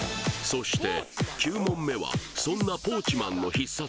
そして９問目はそんなポーチマンの必殺